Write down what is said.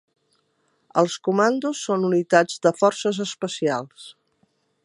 Els comandos són unitats de forces especials.